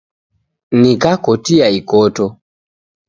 Nikakotia ikoto